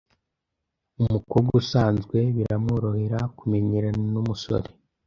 Umukobwa usanzwe biramworohera kumenyerana n’umusore